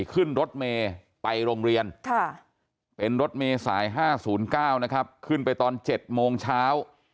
ขึ้นรถเมย์ไปโรงเรียนเป็นรถเมษาย๕๐๙นะครับขึ้นไปตอน๗โมงเช้า